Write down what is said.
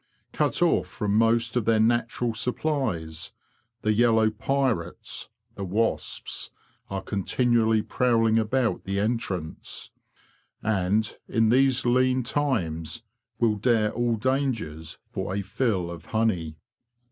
Cut off from most of their natural supplies, the yellow pirates—the wasps—are continually prowling about the entrance; and, in these lean times, will dare all dangers for a fill of honey.